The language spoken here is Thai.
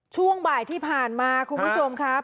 ช่วงบ่ายที่ผ่านมาคุณผู้ชมครับ